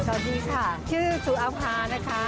สวัสดีค่ะชื่อสุอภานะคะ